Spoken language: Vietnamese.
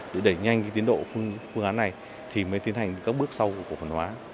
để đẩy nhanh tiến độ phương án này thì mới tiến hành các bước sau của cổ phần hóa